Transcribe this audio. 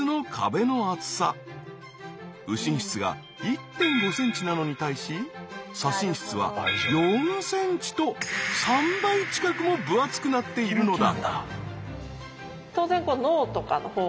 右心室が１．５ｃｍなのに対し左心室は４ｃｍと３倍近くも分厚くなっているのだ。